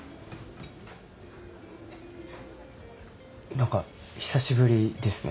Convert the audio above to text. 何か久しぶりですね